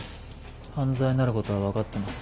犯罪になることは分かってます。